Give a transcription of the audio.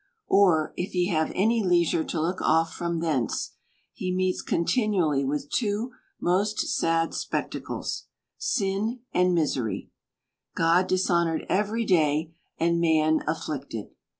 Or, if he have any leisure to look off from thence, he meets continually with two most sad spectacles, — sin and misery ; God dishonored every day, and man THE COUNTRY PARSON. 61 afflicted.